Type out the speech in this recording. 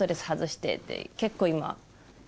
結構今。